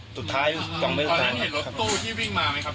ตอนนั้นลูกชายพอเราบอกว่าไงวะ